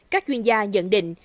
các chuyên gia nhận định